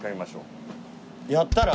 やったら？